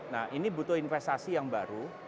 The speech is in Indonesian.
nah ini butuh investasi yang baru